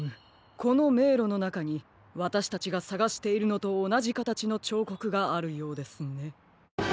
このめいろのなかにわたしたちがさがしているのとおなじかたちのちょうこくがあるようですね。